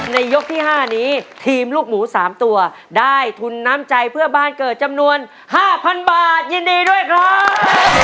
ยกที่๕นี้ทีมลูกหมู๓ตัวได้ทุนน้ำใจเพื่อบ้านเกิดจำนวน๕๐๐๐บาทยินดีด้วยครับ